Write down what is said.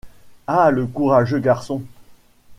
Ah! le courageux garçon !